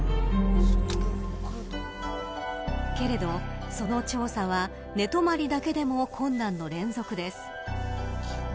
けれど、その調査は寝泊りだけでも困難の連続です。